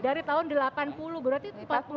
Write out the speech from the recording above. dari tahun delapan puluh berarti empat puluh dua tahun